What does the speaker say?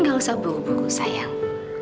gak usah buru buru sayang